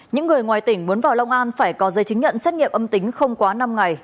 những người ngoài tỉnh muốn vào long an phải có giấy chứng nhận xét nghiệm âm tính không quá năm ngày